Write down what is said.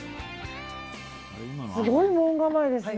すごい門構えですね。